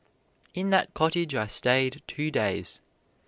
In that cottage I stayed two days.